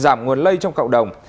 giảm nguồn lây trong cộng đồng